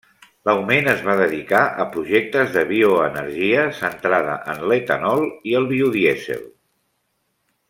L'augment es va dedicar a projectes de bioenergia, centrada en l'etanol i el biodièsel.